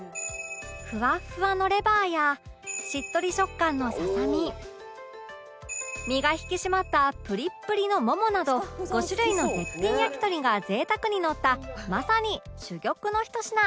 ふわっふわのレバーやしっとり食感のささみ身が引き締まったプリップリのももなど５種類の絶品焼き鳥が贅沢にのったまさに珠玉のひと品